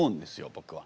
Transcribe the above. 僕は。